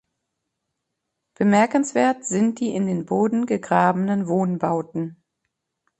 Bemerkenswert sind die in den Boden gegrabenen Wohnbauten.